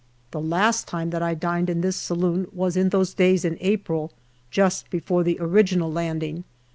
The last time that I dined in this saloon was in those days in April, just before the original landing.